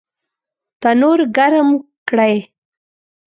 تنور ګرم کړئ